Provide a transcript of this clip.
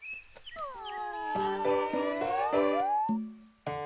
うん？